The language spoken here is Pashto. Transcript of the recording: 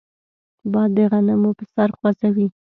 باد د غنمو پسر خوځوي